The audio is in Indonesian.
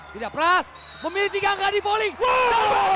tidak prast memilih tiga angka di volley